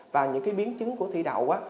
và những biến chứng của thủy đậu á